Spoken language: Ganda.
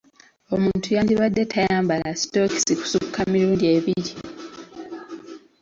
Omuntu yandibadde tayambala sitookisi kusukka mirundi ebiri.